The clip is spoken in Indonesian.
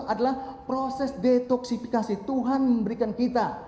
adalah proses detoksifikasi tuhan memberikan kita